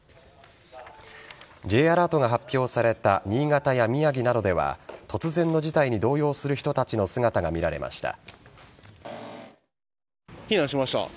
Ｊアラートが発表された新潟や宮城などでは突然の事態に動揺する人たちの姿が見られました。